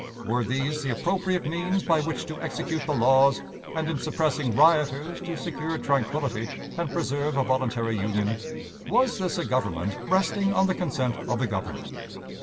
Were these the appropriate means by which to execute the laws, and in suppressing rioters to secure tranquillity and preserve a voluntary union? Was this a government resting on the consent of the governed?